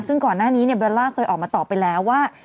ซึ่งก่อนหน้านี้เนี่ยเบลล่าเคยออกมาตอบไปแล้วว่า